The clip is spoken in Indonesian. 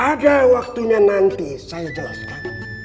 ada waktunya nanti saya jelaskan